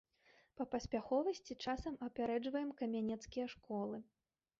Па паспяховасці часам апярэджваем камянецкія школы.